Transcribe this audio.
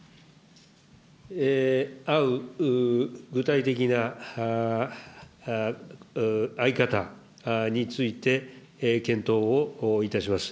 会う具体的な会い方について、検討をいたします。